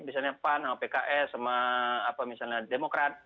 misalnya pan sama pks sama apa misalnya demokrat